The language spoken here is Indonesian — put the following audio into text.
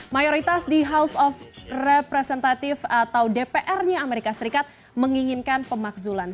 mayoritas di house of representative atau dpr nya amerika serikat menginginkan pemakzulan